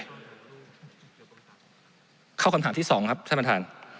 เข้าคำถามที่สองครับท่านประธาน